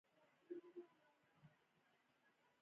مرکه کېدونکی د خپل ژوند برخې شریکوي.